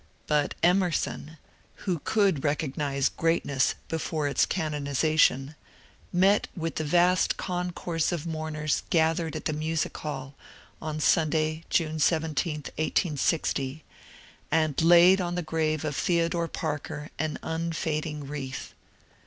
But Emerson, who could recognize greatness be fore its canonization, met with the vast concourse of mourners gathered at the Music HaU, on Sunday, June 17, 1860, and laid on the grave of Theodore Parker an unfading wreath.